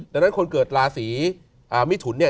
ดังนั้นคนเกิดราศีมิถุน